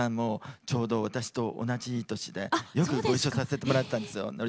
ちょうど私と同じ年でよくご一緒させてもらってるんです。